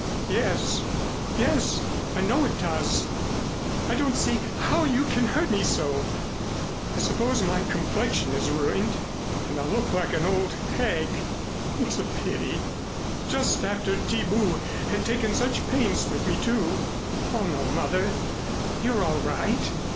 "Yes, yes; I know it does. I don't see how you can hurt me so. I suppose my complexion is ruined and I'll look like an old hag. It's a pity! Just after Thiebout had taken such pains with me, too." "Oh, no, Mother, you're all right.